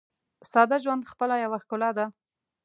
ساده ژوند خپله یوه ښکلا ده.